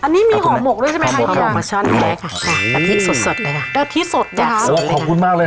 อันนี้มีหอมกด้วยใช่ไหมไทย